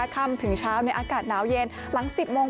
ค่ำถึงเช้าในอากาศหนาวเย็นหลัง๑๐โมง